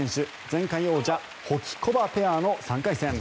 前回王者ホキコバペアの３回戦。